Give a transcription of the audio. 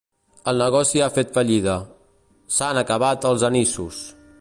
El negoci ha fet fallida. S'han acabat els anissos!